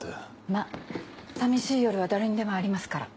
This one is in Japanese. まぁ寂しい夜は誰にでもありますから。